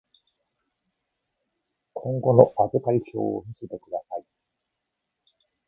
今後の預かり証を見せてください。